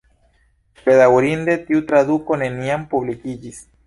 Bedaŭrinde tiu traduko neniam publikiĝis.